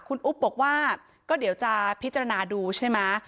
คุณอุ๊บบอกว่าก็เดี๋ยวจะพิจารณาดูใช่ไหม